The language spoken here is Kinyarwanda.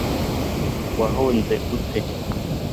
wahunze ute